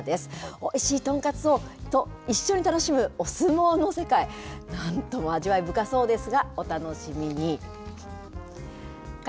おいしい豚カツと一緒に楽しむお相撲の世界、なんとも味わいぶかそうですが、お楽しみに。